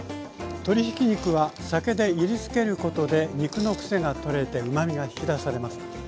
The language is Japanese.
鶏ひき肉は酒でいりつけることで肉のクセが取れてうまみが引き出されます。